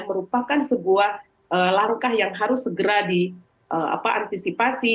merupakan sebuah langkah yang harus segera diantisipasi